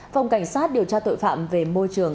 phòng cảnh sát điều tra tội phạm về môi trường